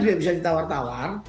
tidak bisa ditawar tawar